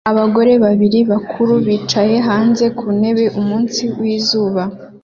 Abagore babiri bakuru bicaye hanze ku ntebe umunsi wizuba